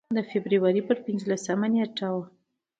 د فبروري پر پنځلسمه نېټه و.